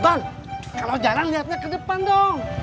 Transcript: tol kalau jarang lihatnya ke depan dong